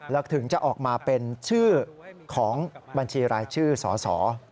แล้วถึงจะออกมาเป็นชื่อของบัญชีรายชื่อสส